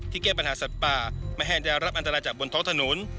แก้ปัญหาสัตว์ป่าไม่ให้ได้รับอันตรายจากบนท้องถนน